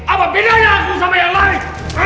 apa bedanya aku sama yang lain